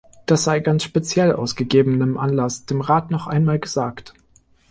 Das sei ganz speziell aus gegebenem Anlass dem Rat noch einmal gesagt.